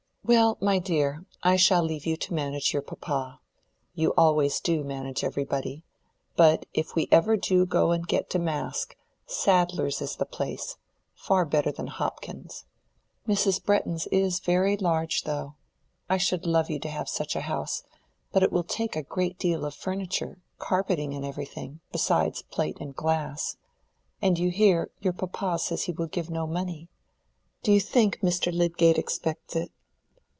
"Well, my dear, I shall leave you to manage your papa. You always do manage everybody. But if we ever do go and get damask, Sadler's is the place—far better than Hopkins's. Mrs. Bretton's is very large, though: I should love you to have such a house; but it will take a great deal of furniture—carpeting and everything, besides plate and glass. And you hear, your papa says he will give no money. Do you think Mr. Lydgate expects it?"